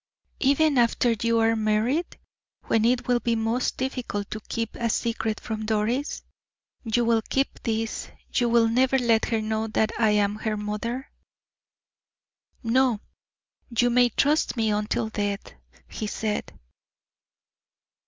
"Even after you are married, when it will be most difficult to keep a secret from Doris, you will keep this you will never let her know that I am her mother?" "No; you may trust me until death," he said.